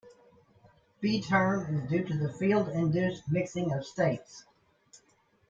B term is due to the field-induced mixing of states.